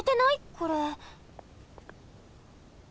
これ。